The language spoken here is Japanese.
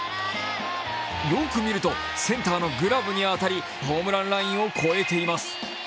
よく見るとセンターのグラブに当たりホームランラインを超えています。